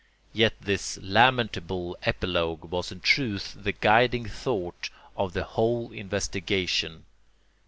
Yet this lamentable epilogue was in truth the guiding thought of the whole investigation.